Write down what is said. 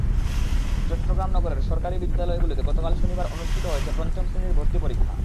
চট্টগ্রাম নগরের সরকারি বিদ্যালয়গুলোতে গতকাল শনিবার অনুষ্ঠিত হয়েছে পঞ্চম শ্রেণীর ভর্তি পরীক্ষা।